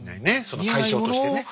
その対象としてね。